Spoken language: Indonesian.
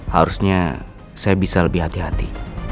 harusnya saya bisa lebih hati hati